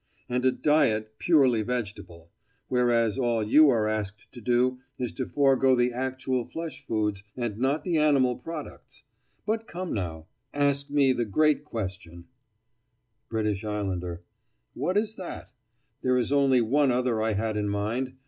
And a diet "purely vegetable"; whereas all you are asked to do is to forego the actual flesh foods, and not the animal products. But come now! Ask me the great question! Footnote 28: Rees's "Encyclopædia," Article, "Man." BRITISH ISLANDER: What is that? There is only one other I had in mind.